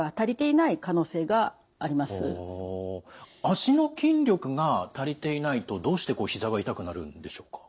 脚の筋力が足りていないとどうしてひざが痛くなるんでしょうか？